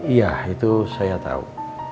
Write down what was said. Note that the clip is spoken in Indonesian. iya itu saya tahu